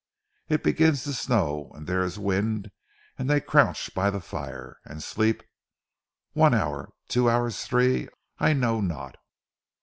It begins to snow, an' dere is wind, an' dey crouch by ze fire, an' sleep, one hour, two hours, tree I know not.